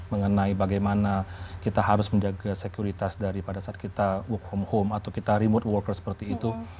mengenai bagaimana kita harus menjaga sekuritas daripada saat kita work from home atau kita remote worker seperti itu